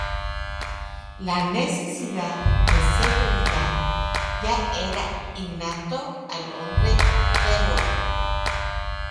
La necesidad de seguridad, ya era innato al hombre peruano.